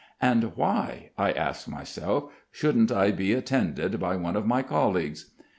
"And why," I ask myself, "shouldn't I be attended by one of my colleagues?"